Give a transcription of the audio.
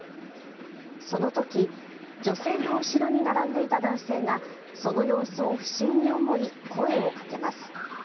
そのとき女性の後ろに並んでいた男性が、その様子を不審に思い声をかけます。